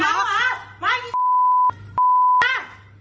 เกาะหรอ